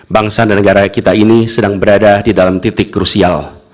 bangsa dan negara kita ini sedang berada di dalam titik krusial